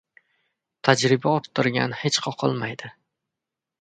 Tajriba orttirgan hech qoqilmaydi.